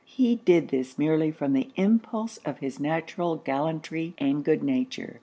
He did this merely from the impulse of his natural gallantry and good nature.